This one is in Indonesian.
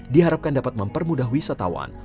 diharapkan dapat mempermudah wisatawan